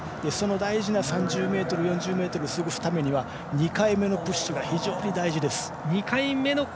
大事な３０ｍ、４０ｍを過ごすためには２回目のプッシュが非常に大事です。